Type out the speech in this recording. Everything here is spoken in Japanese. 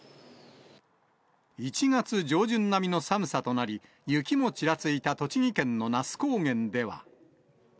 １月上旬並みの寒さとなり、雪もちらついた栃木県の那須高原では。